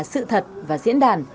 sự thật và diễn đàn